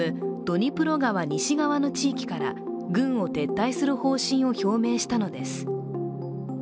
ドニプロ川西側の地域から軍を撤退する方針を表明したのです。